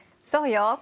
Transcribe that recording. そうよ。